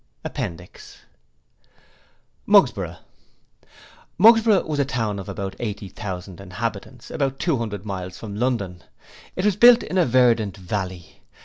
Appendix Mugsborough Mugsborough was a town of about eighty thousand inhabitants, about two hundred miles from London. It was built in a verdant valley.